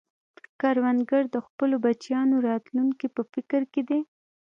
کروندګر د خپلو بچیانو راتلونکې په فکر کې دی